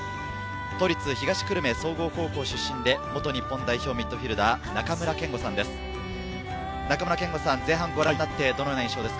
都立東久留米総合高校出身で、元日本代表ミッドフィルダー・中村憲剛さんです。